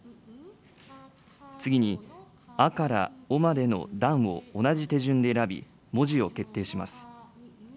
次に、あからおまでの段を同じ手順で選び、文字を決定します。